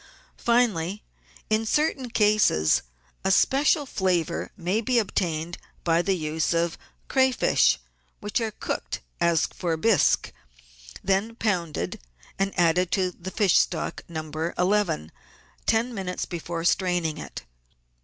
Finally, in certain cases, a special flavour may be obtained by the use of crayfish, which are cooked, as for bisque, then pounded, and added to the fish stock No. 11 ten minutes before straining it.